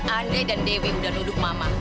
andai dan dewi udah nuduk mama